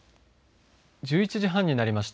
１１時半になりました。